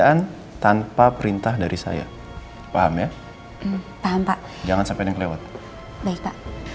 bu atmosphere lagi altar itu masih digunakan dengan bersih